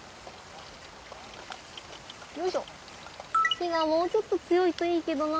火がもうちょっと強いといいけどな。